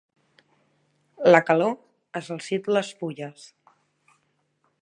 La calor ha salsit les fulles.